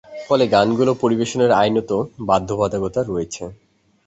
ফলে গানগুলি পরিবেশনের আইনত বাধ্যবাধকতা রয়েছে।